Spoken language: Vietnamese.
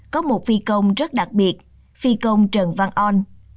có một phi công rất đặc biệt phi công trần văn on